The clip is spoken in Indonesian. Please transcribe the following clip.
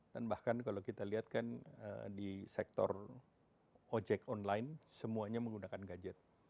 dan bahkan kalau kita lihat kan di sektor ojek online semuanya menggunakan gadget